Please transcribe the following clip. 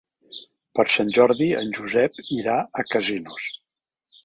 Per Sant Jordi en Josep irà a Casinos.